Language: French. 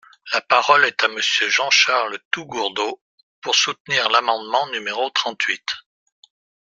La parole est à Monsieur Jean-Charles Taugourdeau, pour soutenir l’amendement numéro trente-huit.